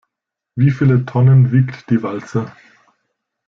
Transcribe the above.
Wie viele Tonnen wiegt die Walze?